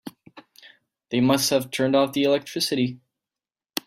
They must have turned off the electricity.